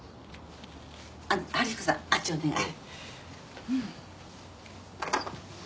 あの春彦さんあっちお願い。